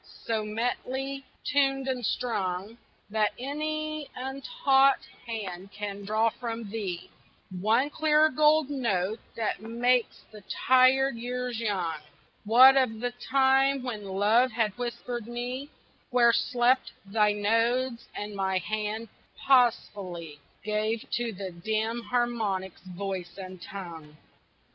so metely tuned and strung That any untaught hand can draw from thee One clear gold note that makes the tired years young What of the time when Love had whispered me Where slept thy nodes, and my hand pausefully Gave to the dim harmonics voice and tongue?